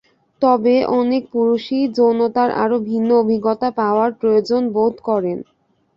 তবে অনেক পুরুষই যৌনতার আরও ভিন্ন অভিজ্ঞতা পাওয়ার প্রয়োজন বোধ করেন।